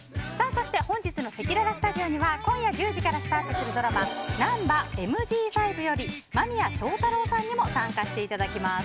そして本日のせきららスタジオには今夜１０時からスタートするドラマ「ナンバＭＧ５」より間宮祥太朗さんにも参加していただきます。